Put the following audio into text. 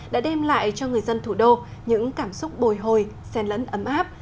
đã đem lại cho người dân thủ đô những cảm xúc bồi hồi xen lẫn ấm áp